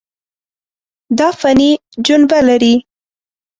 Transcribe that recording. دا فني جنبه لري.